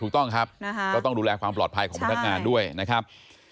ถูกต้องครับก็ต้องดูแลความปลอดภัยของพนักงานด้วยนะครับ